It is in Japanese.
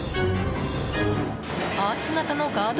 アーチ型のガード